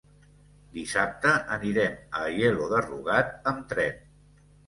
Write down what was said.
Dissabte anirem a Aielo de Rugat amb tren.